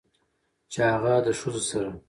چې هغه د ښځو سره